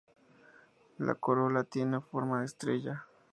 La corola tiene forma de estrella.